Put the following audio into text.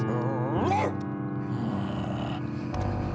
อิคโรค